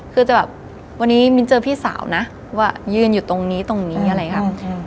คือจะแบบวันนี้มิ้นเจอพี่สาวนะว่ายืนอยู่ตรงนี้ตรงนี้อะไรอย่างนี้ค่ะ